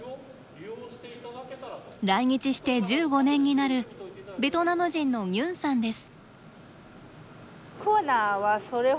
来日して１５年になるベトナム人のニュンさんです。